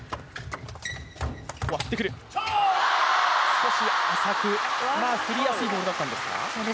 少し浅く、振りやすいボールだったんですか？